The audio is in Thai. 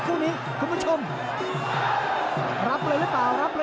ติดตามยังน้อยกว่า